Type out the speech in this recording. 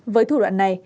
với thủ đoạn này